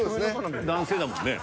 男性だもんね。